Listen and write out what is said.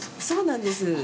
そうなんです。